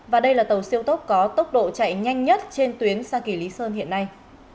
và đây là tàu siêu tốc có tốc độ chạy nhanh nhất trên tuyến xa kỳ lý sơn hiện nay